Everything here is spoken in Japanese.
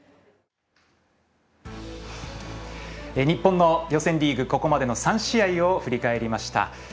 日本の予選リーグ３試合を振り返りました。